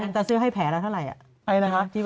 อันตรายเสื้อให้แผลแล้วเท่าไร